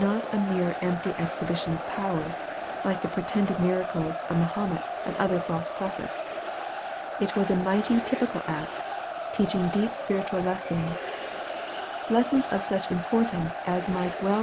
not a mere empty exhibition of power, like the pretended miracles of Mahomet and other false prophets. It was a mighty typi cal act, teaching deep spiritual lessons, lessons of such importai.ce as MARK, CHAP.